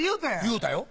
言うたよ。